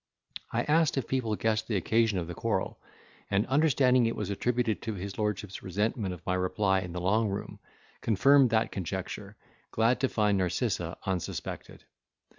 I asked, if people guessed the occasion of the quarrel; and, understanding it was attributed to his lordship's resentment of my reply in the Long Room, confirmed that conjecture, glad to find Narcissa unsuspected.